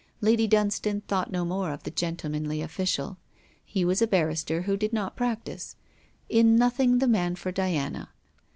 Lady Dunstane thought no more of the gentlemanly official. He was a barrister who did not practise: in nothing the man for Diana.